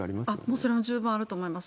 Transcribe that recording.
もうそれは十分あると思います。